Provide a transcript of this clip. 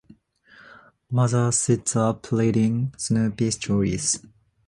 Mother sits up reading Snappy Stories.